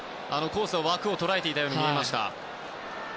コースは、枠を捉えているように見えました。